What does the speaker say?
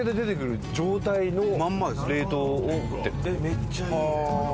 めっちゃいい。はあ！